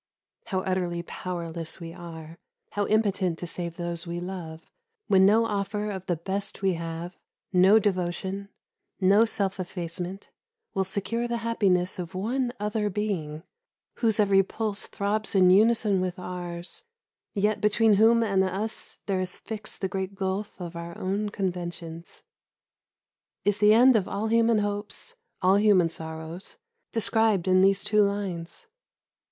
How utterly powerless we are, how impotent to save those we love, when no offer of the best we have, no devotion, no self effacement, will secure the happiness of one other being, whose every pulse throbs in unison with ours, yet between whom and us there is fixed the great gulf of our own conventions. Is the end of all human hopes, all human sorrows, described in these two lines?